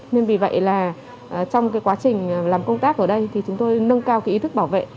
nên vì vậy là trong cái quá trình làm công tác ở đây thì chúng tôi nâng cao cái ý thức bảo vệ